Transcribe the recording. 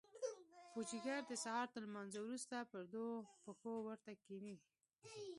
پوجيگر د سهار تر لمانځه وروسته پر دوو پښو ورته کښېني.